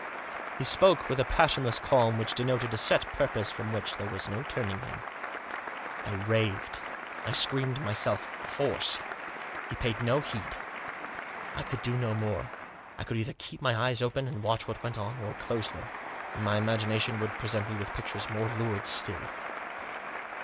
He spoke with a passionless calm which denoted a set purpose from which there was no turning him. I raved, I screamed myself hoarse. He paid no Digitized by 324 THE JOSS. heed. I could do no more. I could either keep my eyes open and watch what went on, or close them, and my imagination would present me with pictures more lurid still.